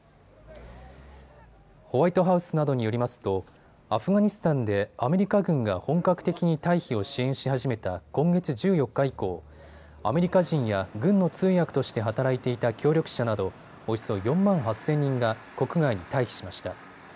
ホワイトハウスなどによりますとアフガニスタンでアメリカ軍が本格的に退避を支援し始めた今月１４日以降アメリカ人や軍の通訳として働いていた協力者などおよそ４万８０００人が国外に退避しました。